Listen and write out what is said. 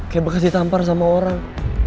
kayak bekas ditampar sama orang